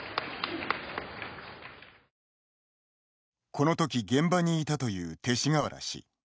このとき現場にいたという勅使河原氏。